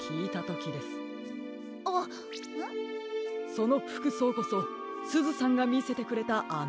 そのふくそうこそすずさんがみせてくれたあのしゃしん。